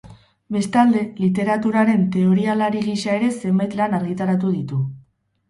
Bestalde, literaturaren teorialari gisa ere zenbait lan argitaratu du.